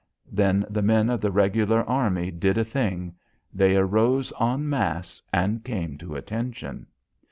Then the men of the regular army did a thing. They arose en masse and came to "Attention."